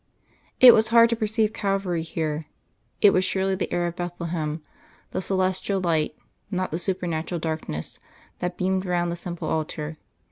It was hard to perceive Calvary here; it was surely the air of Bethlehem, the celestial light, not the supernatural darkness, that beamed round the simple altar.